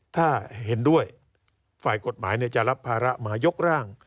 ถ้าเห็นด้วยฝ่ายกฎหมายจะรับภาระมายกร่าง